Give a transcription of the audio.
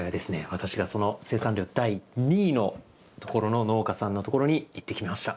私がその生産量第２位のところの農家さんのところに行ってきました。